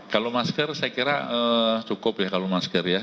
kalau masker saya kira cukup ya kalau masker ya